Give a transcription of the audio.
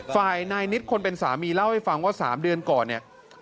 ฝ่ายนายนิดคนเป็นสามีเล่าให้ฟังว่า๓เดือนก่อนเนี่ย